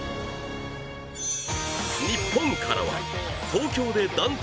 日本からは東京で団体